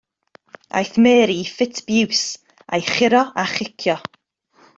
Aeth Mary i ffit biws a'i churo a chicio.